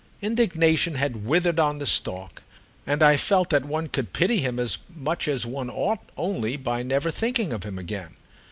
Indignation had withered on the stalk, and I felt that one could pity him as much as one ought only by never thinking of him again.